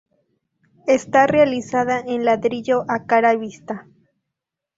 Está realizada en ladrillo a cara vista.